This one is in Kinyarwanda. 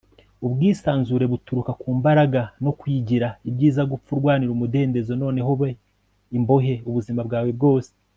ubwisanzure buturuka ku mbaraga no kwigira. ibyiza gupfa urwanira umudendezo noneho ube imbohe ubuzima bwawe bwose